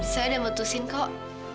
saya sudah memutuskan kok